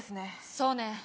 そうね。